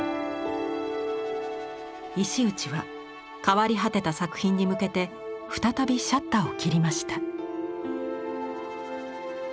石内は変わり果てた作品に向けて再びシャッターを切りました。